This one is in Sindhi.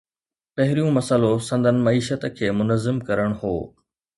پهريون مسئلو سندن معيشت کي منظم ڪرڻ هو.